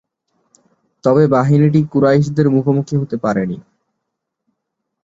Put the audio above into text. তবে বাহিনীটি কুরাইশদের মুখোমুখি হতে পারেনি।